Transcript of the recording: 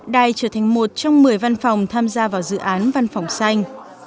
đài trở thành một trong một mươi văn phòng tham gia vào dự án văn phòng xanh